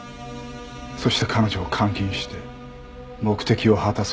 そして彼女を監禁して目的を果たそうとした。